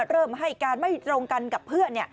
เริ่มให้การไม่ตรงกันกับเพื่อน